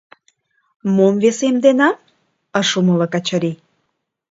— Мом весемденам? — ыш умыло Качырий.